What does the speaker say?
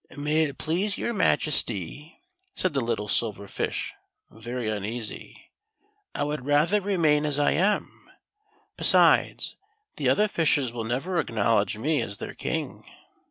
" May it please your Majcst} ," said the little Silver Fish, very uneasy, " I would rather remain as I am ; besides, the other fishes will never acknowledge me as their King."